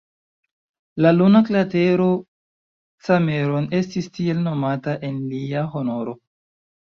La luna kratero Cameron estis tiel nomata en lia honoro.